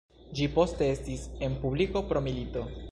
Ĝi poste estis en publiko pro milito.